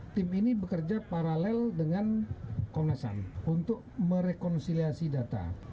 tim ini bekerja paralel dengan komnas ham untuk merekonsiliasi data